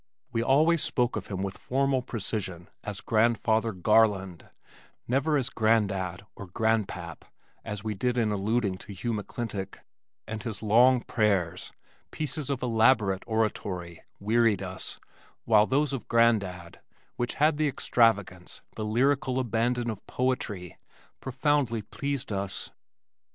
We always spoke of him with formal precision as Grandfather Garland, never as "Grandad" or "Granpap" as we did in alluding to Hugh McClintock, and his long prayers (pieces of elaborate oratory) wearied us, while those of Grandad, which had the extravagance, the lyrical abandon of poetry, profoundly pleased us.